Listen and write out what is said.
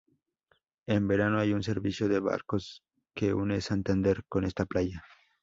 En verano hay un servicio de barcos que une Santander con esta playa.